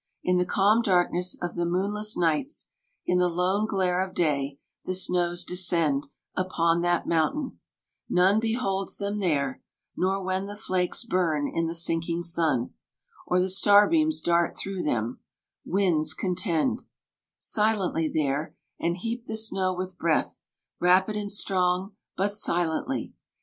In the calm darkness of the moonless nights, In the lone glare of day, the snows descend Upon that Mountain ; none beholds them there, Nor when the flakes burn in the sinking sun, Or the star beams dart through them :— Winds contend Silently there, and heap the snow with breath Rapid and strong, but silently